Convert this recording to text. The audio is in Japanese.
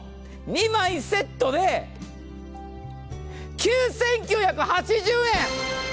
２枚セットで９９８０円。